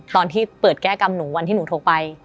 ตอนที่เปิดแก้กรรมหนูวันที่หนูโทรไป